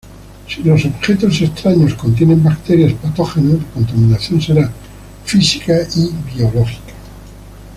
Si los objetos extraños contienen bacterias patógenas, la contaminación será física y biológica.